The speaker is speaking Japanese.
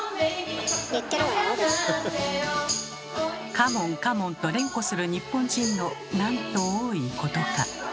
カモンカモンと連呼する日本人のなんと多いことか。